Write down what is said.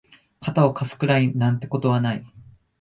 肩を貸すくらいなんてことはない